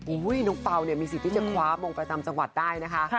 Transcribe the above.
น้องเปล่าเนี่ยมีสิทธิ์ที่จะคว้ามงประจำจังหวัดได้นะคะ